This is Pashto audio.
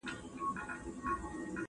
داسي د نېستۍ څپېړو شین او زمولولی یم .